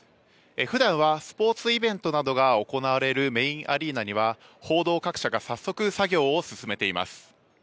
普段はスポーツイベントなどが行われるメインアリーナには報道各社が早速、作業を進めています。